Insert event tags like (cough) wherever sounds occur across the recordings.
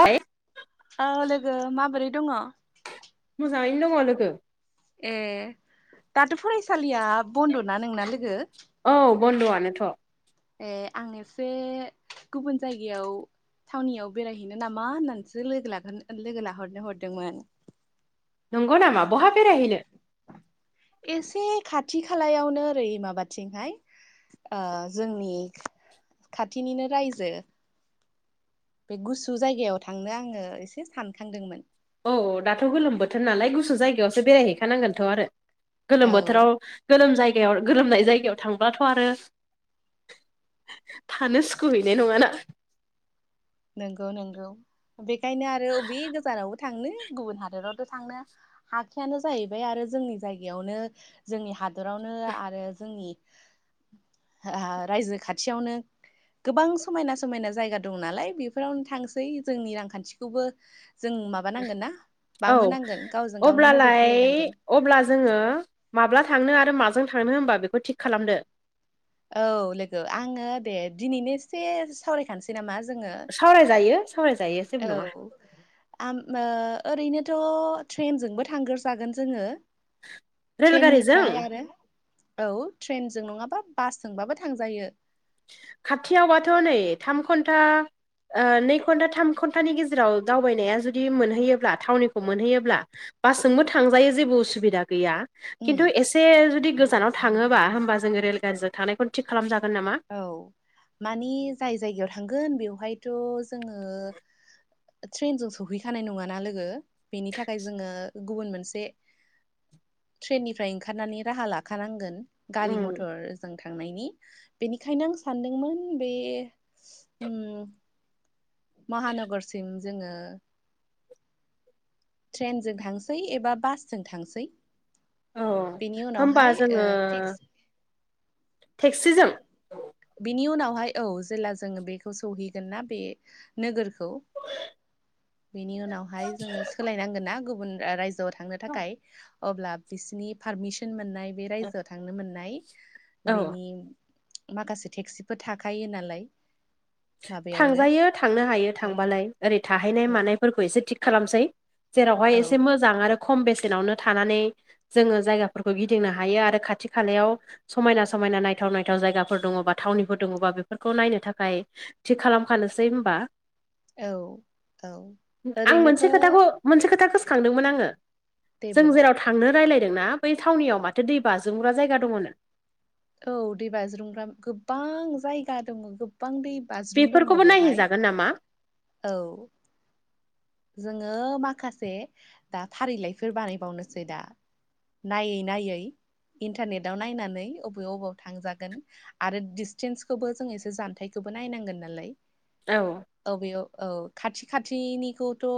ओइ ओ लोगो माबोरै दङ? मोजाङैनो दङ लोगो। ए दाथ' फरायसालिया बन्द' ना नोंना लोगो। औ बन्द'आनोथ'। ए आं एसे गुबुन जायगायाव थावनियाव बेरायहैनो नामा होननानैसो लोगो ला लोगो लाहरनो हरदोंमोन। नंगौ नामा बहा बेरायहैनो? एसे खाथि खालायावनो ओरै माबाथिंहाय जोंनि खाथिनिनो रायजो। बे गुसु जायगायाव थांनो आङो एसे सानखांदोंमोन। औ औ दाथ' गोलोम बोथोर नालाय गुसु जायगायावसो बेरायहैखानांगोनथ' आरो गोलोम औ बोथोराव गोलोम जायगायाव गोलोमनाय जायगायाव थांब्लाथ' आरो थानो सुखुहैनाय नङाना। नंगौ नंगौ बेखायनो आरो अबे गोजानावबो थांनो गुबुन हादरावथ' थांनो हाखायानो जाहैबाय आरो जोंनि जायगायावनो जोंनि हादरावनो आरो जोंनि रायजो खाथियावनो गोबां समायना समायना जायगा दं नालाय। बेफोरावनो थांसै जोंनि रांखान्थिखौबो जों मा माबानांगोन ना औ बांहोनांगोन गावजों गावनो मदद अब्लालाय होलायनांगोन। अब्ला जोंङो माब्ला थांनो आरो माजों थांनो हबा बेखौ थिग खालामदो। औ लोगो आंङो दे दिनैनो एसे सावरायखानोसै नामा जोंङो। सावरायजायो सावरायजायो। जेबो नङा औ। ओरैनोथ' ट्रेनजोंबो थांग्रजागोन जोंङो। रेलगारिजों ट्रेननिफ्राय आरो औ ट्रेनजों नंङाबा बासजोंबाबो थांजायो। खाथियावबाथ' नै थाम घन्टा नै घन्टा थाम घन्टानि गेजेराव दावबायनाया जुदि मोनहैयोब्ला थावनिखौ मोनहैयोब्ला बासजोंबो थांजायो जेबो उसुबिदा गैया। उम खिन्थु एसे जुदि गोजानाव थांङोबा होमबा जोंङो रेलगारिजों थांनायखौनो थिग खालामजागोन नामा? औ माने जाय जायगायाव थांगोन बेवहायथ' जोंङो ट्रेनजों सौहैखानाय नंङाना लोगो बेनि थाखाय जोंङो गुबुन मोनसे ट्रेननिफ्राय ओंखारनानै राहा लाखानांगोन। गारि उम मथर जों थांनायनि बेनिखायनो आं सानदोंमोन बे महानगरसिम जोंङो ट्रेनजों थांसै एबा बासजों थांसै। औ बेनि होमबा उनावहाय जोङो थिक्स टेक्सिजों बिनि उनावहाय औ जेब्ला जोंङो बेखौ सौहैगोन ना बे नोगोरखौ बेनि उनावहाय जोंङो सोलायनांगोन ना गुबुन रायजोआव थांनो थाखाय अब्ला बिसिनि पारमिसन मोननाय बे रायजोआव थांनो मोननाय औ बेनि माखासे टेक्सिफोर थाखायो नालाय। माबायावनो थांजायो थांनो हायो औ थांबालाय ओरै थाहैनाय औ मानायफोरखौ एसे थिग खालामसैसै जेरावहाय औ एसे मोजां आरो खम बेसेनावनो थानानै जोंङो जायगाफोरखौ गिदिंनो हायो आरो खाथि खालायाव समायना समायना नायथाव नायथाव जायगाफोर दंङबा थावनिफोर दंङोबा बेफोरखौ नायनो थाखाय थि खालामखानोसै होनबा औ औ आं मोनसे खोथाखौ ओरैनोथ' मोनसे खोथा गोसोखांदोंमोन आंङो दे जों बुं जेराव थांनो रायजलायदोंना बै थावनियाव माथो दै बाजुमग्रा जायगा दंङोमोन। औ दैबाज्रुमग्रा गोबां जायगा दंङो गोबां दै बासरुम दंङो बेफोरखौबो बेवहाय नायहैजागोन नामा औ। जोंङो माखासे दा फारिलाइफोर बानायबावनोसै दा। नायै नायै इन्टारनेटाव नायनानै अबे बबेयाव थांजागोन। आरो डिसटेन्सखौबो जों एसे जानथायखौबो नायनांगोन नालाय। औ। औ बेयाव औ खाथि खाथिनिखौ थ'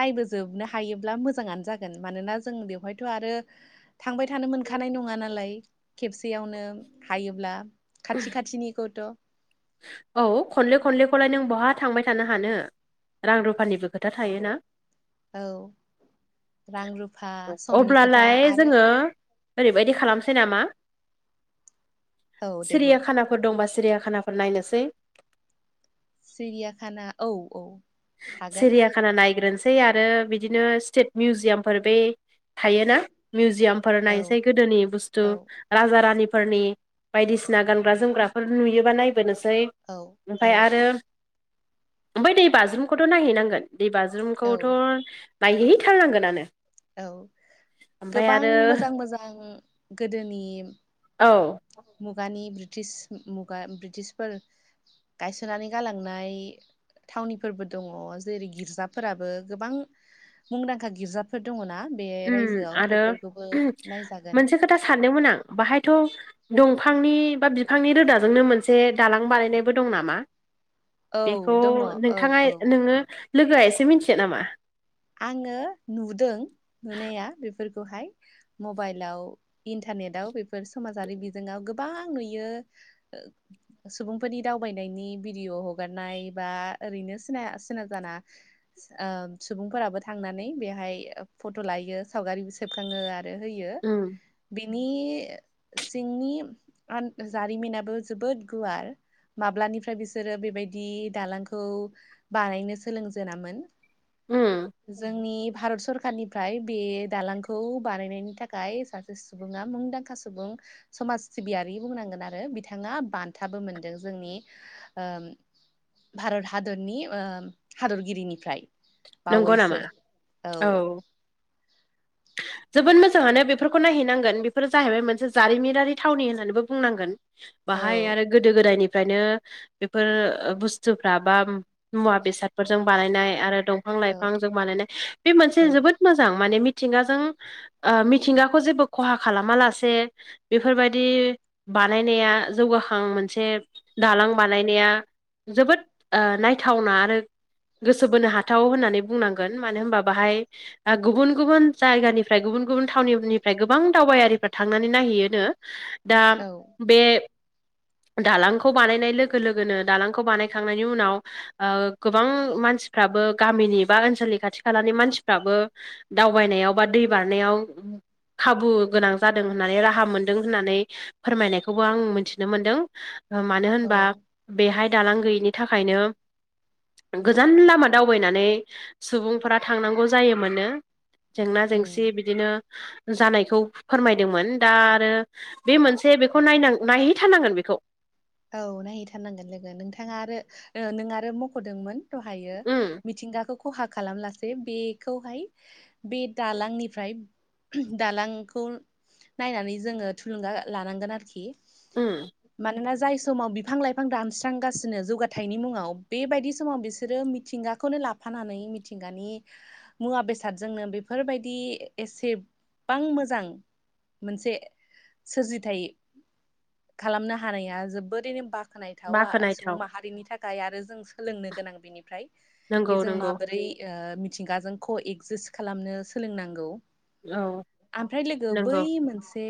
नायबोजोबनो हायोब्ला मोजांङानो जागोन मानोना जों बेवहायथ' आरो थांबाय थानो मोनखानाय नंङा नालाय खेबसेयावनो हायोब्ला खाथि खाथिनिखौथ' औ खनले खनलेखौलाय नों बहा थांबाय थानो हानो। रां रुफानिबो खोथा थायोना। औ रां रुफा समनि खोथा अब्लालाय आरो जोंङो ओरैबायदि खालामसै नामा औ दे बुं सिरिया खानाफोर दंबा सिरिया खानाफोर फोर नायनोसै। सिरियाखाना औ औ। थागोन सिरियाखाना नायग्रोनोसै सै आरो बिदिनो स्टेट मिउजियामफोर बै थायोना मिउजियाम फोर औ नायसै गोदोनि औ बुस्थु राजा रानिफोरनि बायदिसिना गानग्रा-जोमग्राफोर नुयोबा नायबोनोसै। औ औ ओमफाय आरो ओमफाय दै बाज्रुमखौथ' नायहैनांगोन दै बाज्रुम खौथ' नायहैथारनांगोनानो। औ ओमफाय गोबां आरो मोजां मोजां गोदोनि औ। मुगानि ब्रिटिश मुगा ब्रिटिशफोर गायस'ननानै गालांनाय थावनिफोरबो दङ' जेरै गिर्जाफोराबो गोबां मुंदांखा गिर्जाफोर दङ'ना बे उम रायजोआव बेफोरखौबो आरो नायजागोन। मोनसे खोथा सानदोंमोन आं बाहायथ' दंफांनि बा बिफांनि रोदाजोंनो मोनसे दालां बानायनायबो दं नामा? औ बेखौ दङ औ नोंथाङा औ नोङो लोगोआ इसे मिथियो नामा? आङो नुदों नुनाया बेफोरखौहाय। मबाइलाव इन्टारनेटआव बेफोर समाजारि बिजोङाव गोबां नुयो। ओ। सुबुंफोरनि दावबायनायनि भिडिअ' हगारनाय बा ओरैनो सिनाय सिना जाना। ओ। सुबुंफोराबो थांनानै बेहाय फट' लाहैयो सावगारि सेबखाङो आरो होयो। ओम। बिनि सिंनि आन जारिमिनाबो जोबोद गुवार माब्लानिफ्राय बिसोरो बेबायदि दालांखौ बानायनो सोलोंजेनामोन। उम जोंनि भारत सरकारनिफ्राय बे दालांखौ बानायनायनि थाखाय सा सुबुङा मुंदांखा सुबुं समाज सिबियारि बुंनांगोन आरो बिथाङा बान्थाबो मोनदों जोंनि ओम भारत हादरनि ओ हादरगिरिनिफ्राय नंगौ नामा बावैसो औ। जोबोद मोजाङानो बेफोरखौ नायहैनांगोन बेफोरो जाहैबाय मोनसे जारिमिनारि थावनि होननानैबो बुंनांगोन। औ बाहाय आरो गोदो-गोदायनिफ्रायनो बेफोर बुस्थुफ्रा बा मुवा-बेसादफोरजों बानायनाय आरो। औ दंफां-लाइफांजों बानायनाय बे मोनसे औ जोबोद मोजां माने मिथिंगाजों ओ मिथिंगाखौ जेबो ख'हा खालामा लासे बेफोरबायदि बानायनाया जौगाखां मोनसे दालां बानायनाया जोबोद ओ नायथावना आरो गोसो बोनो हा थाव होननानै बुंनांगोन मानो होनबा बाहाय ओ गुबुन गुबुन जायगानिफ्राय गुबुन गुबुन थावनिनिफ्राय गोबां दावबायारिफ्रा थांनानै नायहैयोनो दा औ बे दालांखौ बानायनाय लोगो लोगोनो दालांखौ बानायखांनायनि उनाव ओ गोबां मानसिफ्राबो गामिनि बा ओनसोलनि खाथि खालानि मानसिफ्राबो दावबायनायाव बा दै बारनायाव खाबु गोनां जादों होननानै राहा मोनदों होननानै फोरमायनायखौबो आं मोनथिनो मोनदों। मानो औ होनबा बेहाय दालां गैयिनि थाखायनो गोजान लामा दाव नानै सुबुंफोरा थांनांगौ जायोमोननो जेंना-जेंसि उम बिदिनो जानायखौ फोरमायदोंमोन दा आरो बे मोनसे बेखौ नायनां नायहैथारनांगोन बेखौ औ नायहैथारनांगोन लोगो नोंथाङा आरो ओ नों आरो मख'दोंमोन। दहायो उम मिथिंगाखौ खहा खालामलासै बेखौहाय बे दालांनिफ्राय दालांखौ नायनानै जोङो थुलुंगा लानांगोन आरोखि उम। मानोना जाय समाव बिफां लाइफां दानस्रांगासिनो जौगाथाइनि मुङाव बेबायदि समाव बिसोरो मिथिंगाखौनो ला फानानै मिथिंगानि मुवा बेसादजोंनो बेफोरबायदि एसेबां मोजां मोनसे सोरजिथाय खालामनो हानाया जो ओरैनो बाख्नायथावा सुबुं बाखोनायथाव माहारिनि थाखाय आरो जों सोलोंनो गोनां बिनिफ्राय नंगौ बिजों नंगौ माबोरै ओ मिथिंगाजों ख एक्जिस्त खालामनो सोलोंनांगौ। औ ओमफ्राय लोगो बै नंगौ मोनसे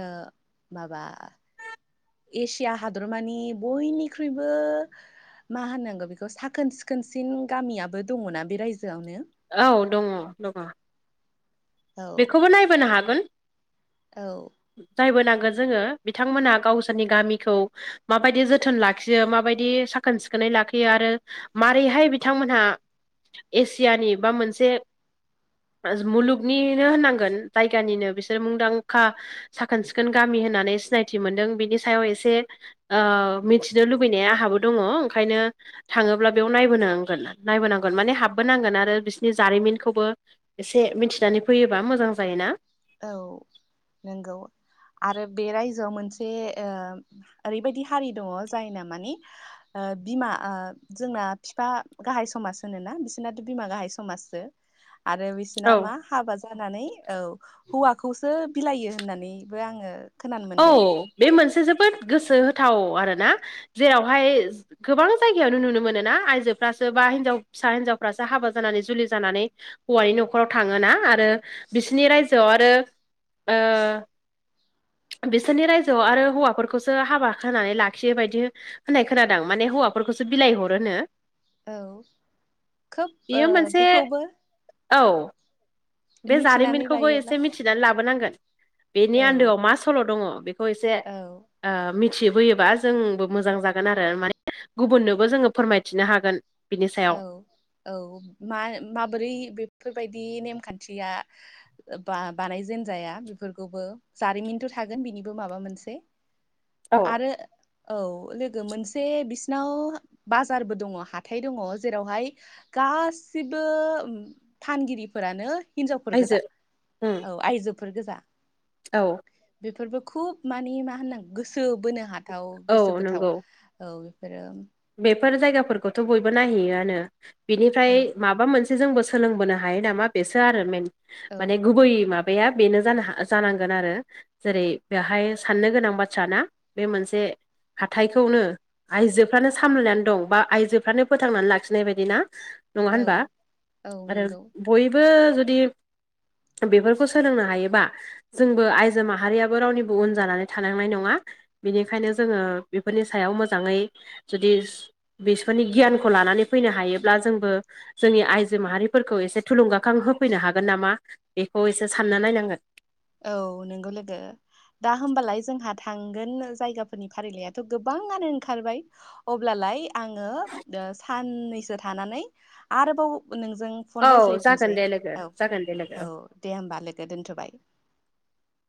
ओ माबा एसिया हादरमानि बयनिख्रुइबो मा होननांगौ बेखौ साखोन सिखोनसिन गामियाबो दङना बे रायजोआवनो औ दङ दङ। औ बेखौबो नायबोनो हागोन। औ। नायबो नांगोन जोङो बिथांमोनहा गावसोरनि गामिखौ माबायदि जोथोन लाखियो माबायदि सा साखोन सिखोनै लाखियो आरो मारैहाय बिथांमोनहा एसियानि बा मोनसे मुलुगनिनो होननांगोन जायगानिनो बिसोर मुंदांखा साखोन सिखोन गामि होननानै सिनायथि मोनदों बिनि सायाव एसे ओ मिथिनो लुबैनाया आहाबो दङ ओंखायनो थाङोब्ला बेयाव नायबोनांगोन नायबोनांगोन माने हाबबोनांगोन आरो बिसोरनि जारिमिनखौबो एसे मिथिनानै फैयोबा मोजां जायोना। औ नंगौ आरो बे राय जोआव मोनसे ओ ओरैबायदि हारि दङ जायना माने ओ बिमा ओ जोंना बिफा गाहाय समाज होनोना बिसोरनाथ' बिमा गाहाय समाजसो आरो बिसोरना औ मा हाबा जानानै औ हौवाखौसो बिलायो होननानैबो आङो खोनानो औ मोनदों बे मोनसे जोबोद गोसो होथाव आरोना जेरावहाय गोबां जायगायावनो नुनो मोनो ना आइजोफ्रासो बा हिनजाव फिसा हिनजावफ्रासो हाबा जानानै जुलि जानानै हौवानि नखराव थाङोना आरो बिसिनि रायजोआव आरो ओ बिसोरनि रायजोआव आरो हौवाफोरखौसो हाबा होनानै लाखियो बायदि होननाय खोनादों आं माने हौवाफोरखौसो बिलाइ हरोनो। औ खोब ओ बेयो मोनसे बेखौबो औ बे मिथिनानै जारिमिनखौबो लायोब्ला एसे मि थिनानै लाबोनांगोन बेनि औ आन्दोआव मा सल' दङ बेखौ एसे औ ओ मिथिबोयोबा जोंबो मोजां जागोन आरो माने गुबुननोबो जोङो फोरमायथिनो हागोन। बिनि सायाव औ औ मा माबोरै बेफोरबायदि नेमखान्थिया बा बानायजेन जाया बेफोरखौबो जारिमिनथ' थागोन बिनिबो माबा मोनसे औ (inaudible) आरो औ लोगो मोनसे बिसिनाव बाजारबो दङ हाथाय दङ। जेरावहाय गासिबो फानगिरिफोरानो हिनजावफोर गोजा आयजो उम औ आयजोफोर गोजा। औ। बेफोरबो खुब माने मा होनांगौ गोसो बोनो हाथाव औ गोसो बोथाव नंगौ औ बेफोरो बेफोर जायगाफोरखौथ' बयबो नायहैयोआनो बिनिफ्राय औ माबा माबा मोनसे जोंबो सोलोंबोनो हायो नामा बेसो आरो मेन औ माने गुबै मा बाया बेनो जानो जानांगोन आरो। जेरै बेहाय साननो गोनां बाथ्राना बे मोनसे हाथायखौनो आइजो आनो सामलायनानै दं बा आइजोफ्रानो फोथांनानै लाखिनाय बायदि ना। नङा औ होनबा औ आरो नंगौ बयबो जुदि बेफोरखौ सोलोंनो हायोबा जोंबो आइजो माहारियाबो रावनिबो उन जानानै थानांनाय नङा। बिनिखायनो जोङो बेफोरनि सायाव मोजाङै जुदि बिसोरनि गियानखौ लानानै फैनो हायोब्ला जोंबो जोंनि आइजो माहारिफोरखौ एसे थुलुंगाखां होफैनो हागोन नामा बेखौ एसे सानना नायनांगोन। औ नोंगौ लोगो। दा होमबालाय जोंहा थांगोन जायगाफोरनि फारिलाइाथ' गोबाङानो ओंखारबाय। अब्लालाय आङो ओ साननैसो थानानै आरोबाव नोंजों औ फन जागोन रायज्लायफिनसै दे लोगो औ जागोन दे लोगो औ दे होमबा लोगो दोन्थ'बाय।